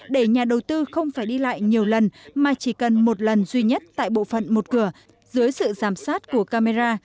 để nhà đầu tư không phải đi lại nhiều lần mà chỉ cần một lần duy nhất tại bộ phận một cửa dưới sự giám sát của camera